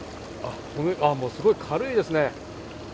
すごい軽いですね。